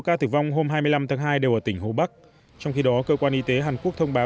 ca tử vong hôm hai mươi năm tháng hai đều ở tỉnh hồ bắc trong khi đó cơ quan y tế hàn quốc thông báo